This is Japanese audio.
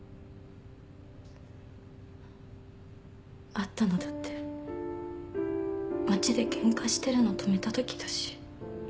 会ったのだって街でケンカしてるの止めたときだし。